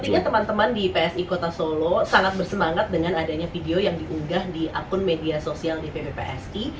artinya teman teman di psi kota solo sangat bersemangat dengan adanya video yang diunggah di akun media sosial di pppsi